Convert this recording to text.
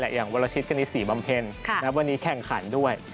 อย่างวรชิตกณิตศรีบำเพ็ญวันนี้แข่งขันด้วย